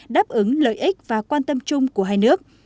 đáp ứng lợi ích và quan tâm chung của hai nước